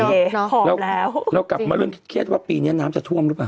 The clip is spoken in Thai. พร้อมแล้วเรากลับมาเรื่อยเทียดว่าปีนี้น้ำจะถวมรึเปล่า